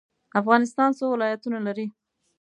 افغانستان څو ولایتونه لري؟